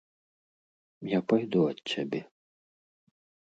Я пайду ад цябе.